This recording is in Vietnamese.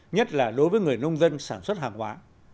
nhất là đối với người nông dân sản xuất hàng hóa